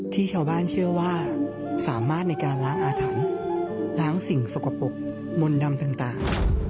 ที่ชาวบ้านเชื่อว่าสามารถในการล้างอาถรรพ์ล้างสิ่งสกปรกมนต์ดำต่าง